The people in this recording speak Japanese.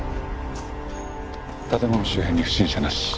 建物周辺に不審者なし。